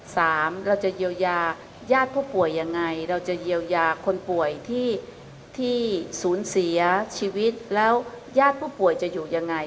เราจะเยียวยาญาติผู้ป่วยยังไงเราจะเยียวยาคนป่วยที่ที่ศูนย์เสียชีวิตแล้วญาติผู้ป่วยจะอยู่ยังไง